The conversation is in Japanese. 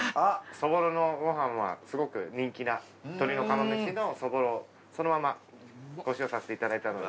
そぼろのご飯はすごく人気な鶏の釜飯のそぼろをそのままご使用させていただいたので。